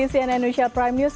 masih di cnn indonesia primemews